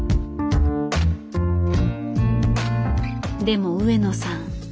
でも上野さん